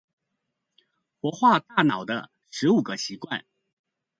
活化大腦的十五個習慣